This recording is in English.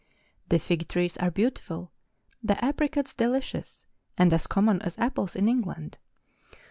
The fig trees are beautiful, the apricots delicious, and as common as apples in England.